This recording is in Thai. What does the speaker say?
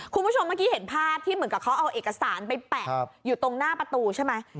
คุณผู้ชมเมื่อกี้เห็นภาพที่เหมือนกับเขาเอาเอกสารไปแปะอยู่ตรงหน้าประตูใช่ไหม